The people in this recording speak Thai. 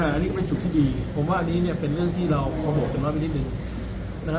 อ่าอันนี้ไม่จุดที่ดีผมว่าอันนี้เนี่ยเป็นเรื่องที่เราพบกันมากไปนิดหนึ่ง